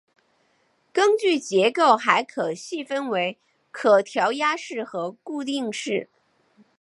根据结构还可细分为可调压式和固定式。